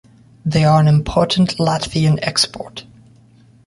They are an important Latvian export.